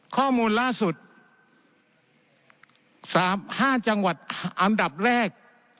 ข้อมูลล่าสุด๓๕จังหวัดอันดับแรก